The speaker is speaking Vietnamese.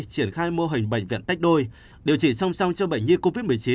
triển khai mô hình bệnh viện tách đôi điều trị song song cho bệnh nhi covid một mươi chín